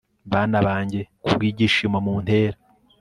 bana banjye kubwibyishimo muntera